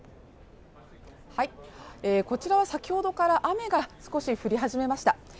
こちらは先ほどから雨が少し降り始めました。